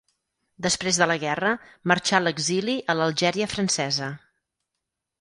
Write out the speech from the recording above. Després de la guerra, marxà a l'exili a l'Algèria francesa.